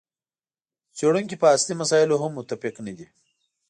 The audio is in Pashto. څېړونکي په اصلي مسایلو هم متفق نه دي.